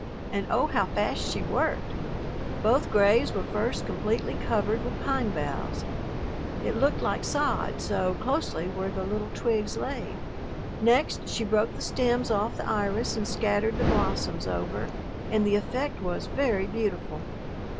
And, oh, how fast she worked! Both graves were first completely covered with pine boughs. It looked like sod, so closely were the little twigs laid. Next she broke the stems off the iris and scattered the blossoms over, and the effect was very beautiful.